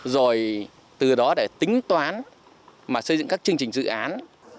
rồi từ đó để tính toán mà xây dựng các chương trình dự án